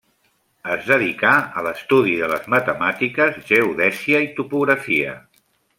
Es dedicà a l'estudi de les matemàtiques, geodèsia i topografia.